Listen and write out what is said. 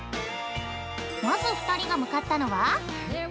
まず、２人が向かったのは？